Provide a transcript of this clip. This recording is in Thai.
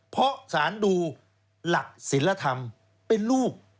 เพราะสารดูหลักศิลธรรมเป็นลูก